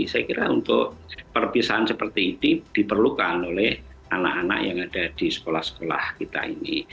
saya kira untuk perpisahan seperti ini diperlukan oleh anak anak yang ada di sekolah sekolah kita ini